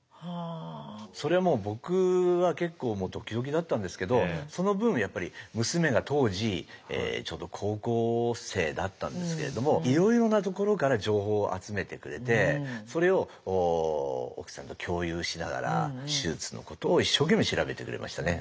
それはもう僕は結構ドキドキだったんですけどその分やっぱり娘が当時高校生だったんですけれどもいろいろなところから情報を集めてくれてそれを奥さんと共有しながら手術のことを一生懸命調べてくれましたね